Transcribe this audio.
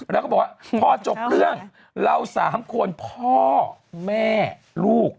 แล้วก็บอกว่าพอจบเรื่องเรา๓คนพ่อแม่ลูก